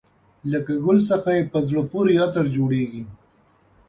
له ګل څخه یې په زړه پورې عطر جوړېږي.